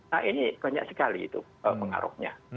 nah ini banyak sekali itu pengaruhnya